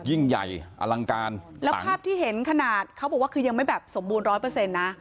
ยิ่งใหญ่อลังการแล้วภาพที่เห็นขนาดเขาบอกว่าคือยังไม่แบบสมบูรณร้อยเปอร์เซ็นต์นะ